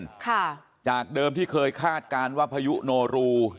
ค่ะจากเดิมที่เคยคาดการณ์ว่าพายุโนรู